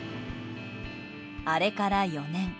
あれから４年。